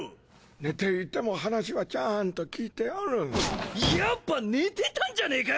寝ていても話はちゃんと聞いておるやっぱ寝てたんじゃねーか！